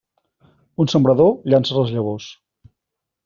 Un sembrador llança les llavors.